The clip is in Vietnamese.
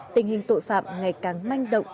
tình hình tội phạm ngày càng manh động